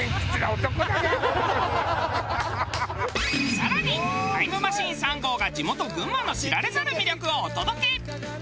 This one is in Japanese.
更にタイムマシーン３号が地元群馬の知られざる魅力をお届け。